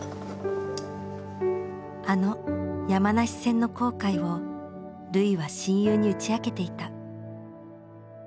あの山梨戦の後悔を瑠唯は親友に打ち明けていた。